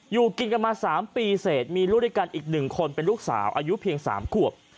อยู่กินกันมา๓ปีเสร็จมีลูกด้วยกันอีก๑คนเป็นลูกสาวอายุเพียง๓ขวบ